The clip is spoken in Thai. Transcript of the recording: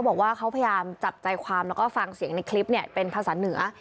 บอกว่าเขาพยายามจับใจความแล้วก็ฟังเสียงในคลิปเนี่ยเป็นภาษาเหนือ